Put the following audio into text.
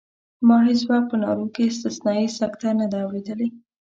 ما هېڅ وخت په نارو کې استثنایي سکته نه ده اورېدلې.